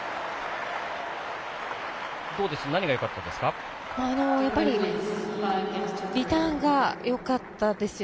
どうです何がよかったですか？